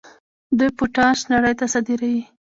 دوی پوټاش نړۍ ته صادروي.